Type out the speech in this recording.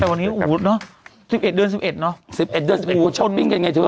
แต่วันนี้โอ้โหเนอะ๑๑เดือน๑๑เนอะ๑๑เดือน๑๑คนช้อปปิ้งกันไงเธอ